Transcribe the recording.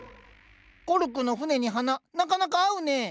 コルクの舟に花なかなか合うね。